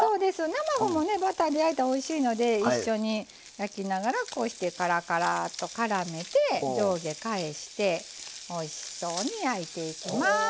生麩もバターで焼いたらおいしいので一緒に焼きながらこうしてからめて上下を返しておいしそうに焼いていきます。